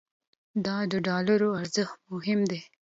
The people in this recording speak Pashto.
د ډالرو ارزښت مهم دی.